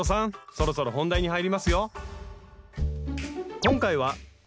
そろそろ本題に入りますよ。